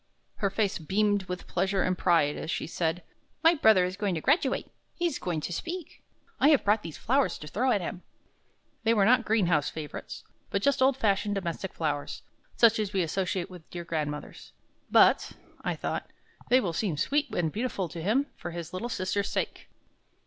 Her face beamed with pleasure and pride as she said: "My brother is going to graduate; he's going to speak. I have brought these flowers to throw at him." They were not greenhouse favorites, but just old fashioned domestic flowers, such as we associate with the dear grandmothers. "But," I thought, "they will seem sweet and beautiful to him, for his little sister's sake."